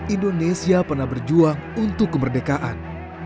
indonesia pernah berjuang untuk kemerdekaan